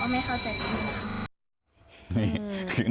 ไม่เข้าใจจริง